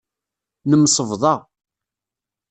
Nemsebḍa.